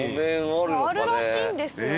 あるらしいんですよ。